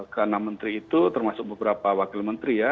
karena menteri itu termasuk beberapa wakil menteri ya